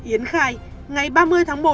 yến khai ngày ba mươi tháng một